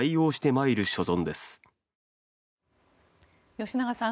吉永さん